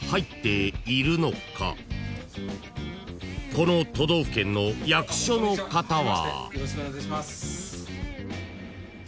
［この都道府県の役所の方は］